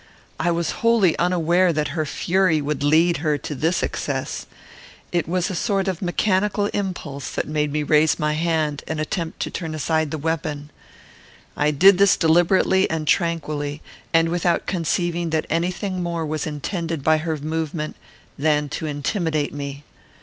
I was wholly unaware that her fury would lead her to this excess. It was a sort of mechanical impulse that made me raise my hand and attempt to turn aside the weapon. I did this deliberately and tranquilly, and without conceiving that any thing more was intended by her movement than to intimidate me.